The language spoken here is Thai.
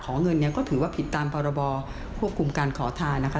เงินเนี่ยก็ถือว่าผิดตามพรบควบคุมการขอทานนะคะ